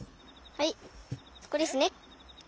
はいここですね。